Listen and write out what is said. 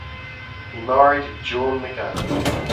He married Joan McAdam.